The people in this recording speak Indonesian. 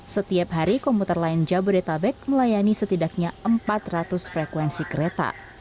setiap hari komuter lain jabodetabek melayani setidaknya empat ratus frekuensi kereta